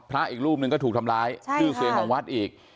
อีกรูปหนึ่งก็ถูกทำร้ายชื่อเสียงของวัดอีก